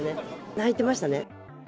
泣いてましたね。